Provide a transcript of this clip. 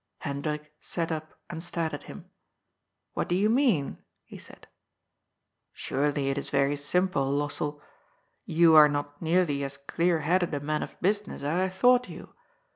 Hendrik sat up and stared at him. " What do you mean ?" he said. " Surely it is very simple, Lossell. You are not nearly as clear headed a man of business as I thought you.